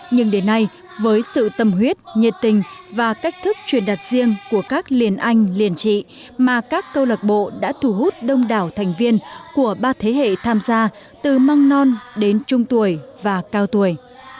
nhưng đến nay với sự tâm huyết nhiệt tình và cách thức truyền đặt riêng của các liền anh liền trị mà các câu lạc bộ đã thu hút đông đảo thành viên của ba thế hệ tham gia từ măng non đến trung tuổi và cao tuổi